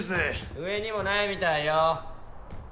上にもないみたいよ。